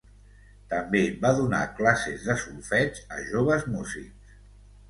També va donar classes de solfeig a joves músics.